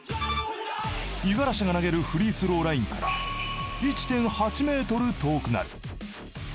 五十嵐が投げるフリースローラインから１．８ｍ遠くなる。